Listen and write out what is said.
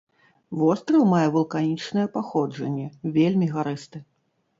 Востраў мае вулканічнае паходжанне, вельмі гарысты.